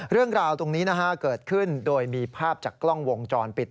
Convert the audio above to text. เรื่องราวตรงนี้นะฮะเกิดขึ้นโดยมีภาพจากกล้องวงจรปิด